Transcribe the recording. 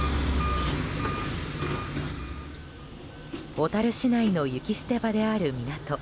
小樽市内の雪捨て場である港。